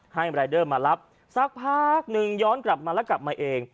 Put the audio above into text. รายเดอร์มารับสักพักนึงย้อนกลับมาแล้วกลับมาเอง